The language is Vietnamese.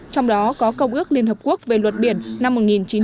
trong đó có công ước liên hợp quốc về luật biển năm một nghìn chín trăm tám mươi hai